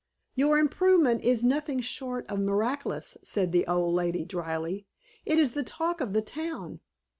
"Your improvement is nothing short of miraculous," said the old lady drily. "It is the talk of the town.